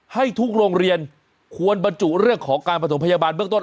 ให้ทุกโรงเรียนควรบรรจุเรื่องของการประถมพยาบาลเบื้องต้น